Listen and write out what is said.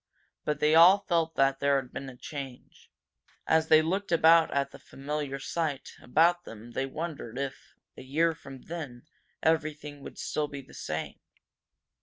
But they all felt that there had been a change. As they looked about at the familiar sight about them they wondered if, a year from then, everything would still be the same.